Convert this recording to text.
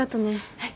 はい。